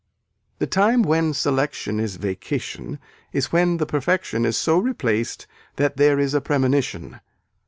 The time when selection is vacation is when the perfection is so replaced that there is a premonition.